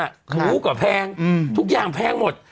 ปั้งคือกว่าแพงทุกอย่างแพงหมด